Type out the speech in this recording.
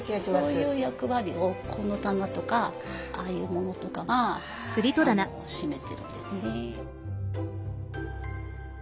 そういう役割をこの棚とかああいうものとかが占めてるんですね。